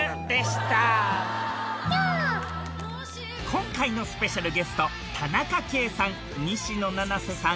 今回のスペシャルゲスト田中圭さん